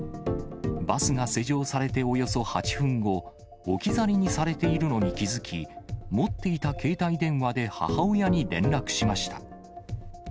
バスが施錠されておよそ８分後、置き去りにされているのに気付き、持っていた携帯電話で母親に連絡しました。